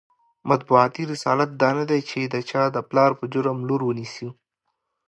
مطبوعاتي رسالت دا نه دی چې د چا د پلار په جرم لور ونیسو.